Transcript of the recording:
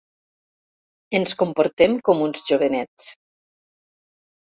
Ens comportem com uns jovenets.